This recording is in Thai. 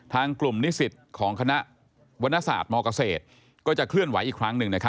ทางกลุ่มนิสิตของคณะวรรณศาสตร์มเกษตรก็จะเคลื่อนไหวอีกครั้งหนึ่ง